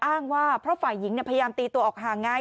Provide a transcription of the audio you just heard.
อ้างว่าเพราะฝ่ายหญิงพยายามตีตัวออกห่างไง